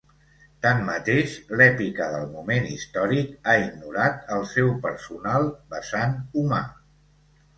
Tanmateix, l'èpica del moment històric ha ignorat el seu personal vessant humà.